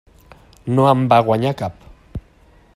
No en va guanyar cap.